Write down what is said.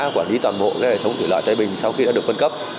quản lý toàn bộ hệ thống thủy lợi tây bình sau khi đã được phân cấp